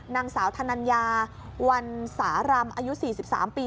นางสาวธนัญญาวันสารำอายุ๔๓ปี